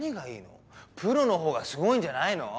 プロのほうがすごいんじゃないの？